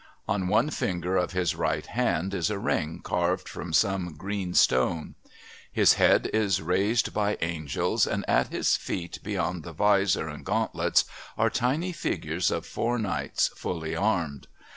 On one finger of his right hand is a ring carved from some green stone. His head is raised by angels and at his feet beyond the vizor and gauntlets are tiny figures of four knights fully armed.